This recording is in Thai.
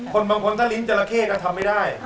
บางคนถ้าลิ้นจราเข้ก็ทำไม่ได้